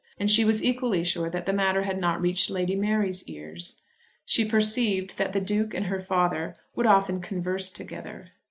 And she was equally sure that the matter had not reached Lady Mary's ears. She perceived that the Duke and her father would often converse together.